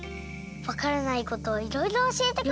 わからないことをいろいろおしえてくれるんです。